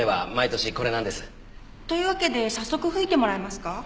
というわけで早速吹いてもらえますか？